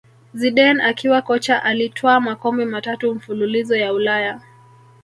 Zidane akiwa kocha alitwaa makombe matatu mfululizo ya Ulaya